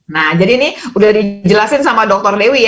nah jadi ini udah dijelasin sama dokter dewi ya